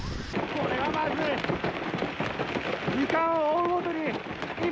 これはまずい！